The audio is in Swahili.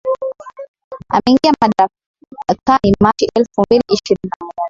Ameingia madarakani Machi elfu mbili ishirini na moja